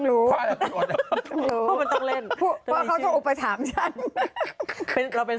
ก็ทุกตัวโดยมัฏอต้องเล่น